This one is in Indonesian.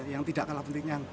yang tidak kalah pentingnya